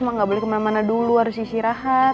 mbak gak boleh kemana mana dulu harus istirahat